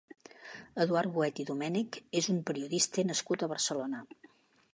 Eduard Boet i Domènech és un periodista nascut a Barcelona.